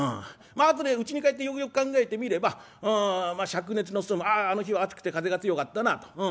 まあ後でうちに帰ってよくよく考えてみれば『灼熱のストーム』あああの日は暑くて風が強かったなと。